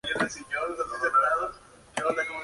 El pintor es enteramente consciente de ello.